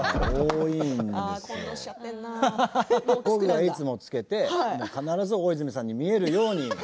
僕がいつも着けて必ず大泉さんに見えるように。